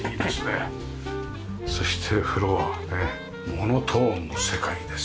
そしてフロアねモノトーンの世界です。